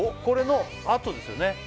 これのあとですよね